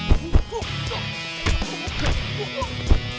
ya udah bang